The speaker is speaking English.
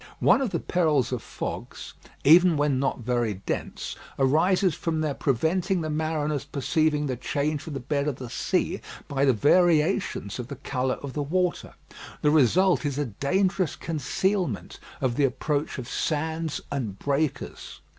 One of the perils of fogs, even when not very dense, arises from their preventing the mariners perceiving the change of the bed of the sea by the variations of the colour of the water. The result is a dangerous concealment of the approach of sands and breakers.